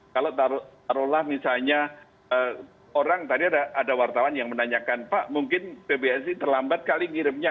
kalau taruhlah misalnya orang tadi ada wartawan yang menanyakan pak mungkin pbsi terlambat kali ngirimnya